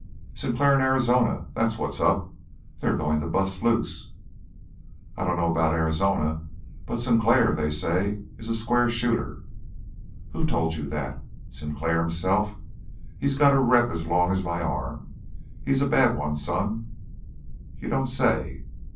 "Sinclair and Arizona that's what's up! They're going to bust loose." "I dunno about Arizona, but Sinclair, they say, is a square shooter." "Who told you that? Sinclair himself? He's got a rep as long as my arm. He's a bad one, son!" "You don't say!"